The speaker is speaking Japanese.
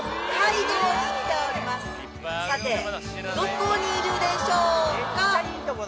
さてどこにいるでしょうか？